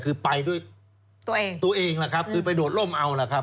คือไปด้วยตัวเองคือไปโดดโล่มเอา